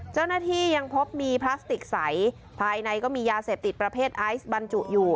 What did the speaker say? ยังพบมีพลาสติกใสภายในก็มียาเสพติดประเภทไอซ์บรรจุอยู่